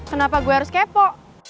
kenapa gue harus kepo